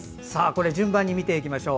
順番に見ていきましょう。